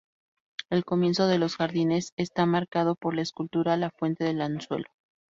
El comienzo de los jardines está marcado por la escultura La fuente del anzuelo.